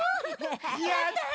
やった！